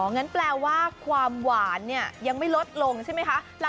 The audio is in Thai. งั้นแปลว่าความหวานเนี่ยยังไม่ลดลงใช่ไหมคะ